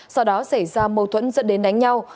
sau đó xảy ra mâu thuẫn dẫn đến đánh nhau